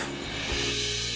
mama udah selesai